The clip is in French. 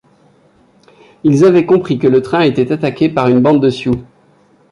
Ils avaient compris que le train était attaqué par une bande de Sioux.